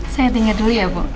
saya tinggal dulu ya bok